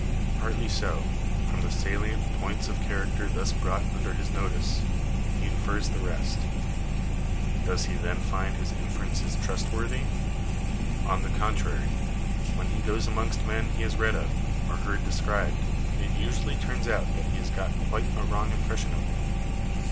Partly so: from the salient points of character thus brought under his notice, he infers the rest Does he then find his inferences trustworthy ? On the contrary, when he goes amongst men he has read of, or heard described, it usually turns out that he has got quite a wrong impression of them.